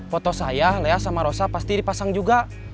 foto saya lea sama rosa pasti dipasang juga